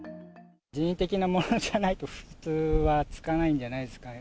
人為的なものじゃないと、普通はつかないんじゃないですかね。